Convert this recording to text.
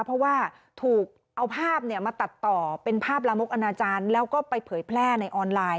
เพราะว่าถูกเอาภาพมาตัดต่อเป็นภาพลามกอนาจารย์แล้วก็ไปเผยแพร่ในออนไลน์